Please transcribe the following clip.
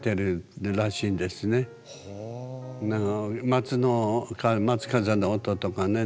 松の松風の音とかね